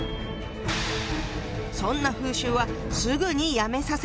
そんな風習はすぐにやめさせなきゃ！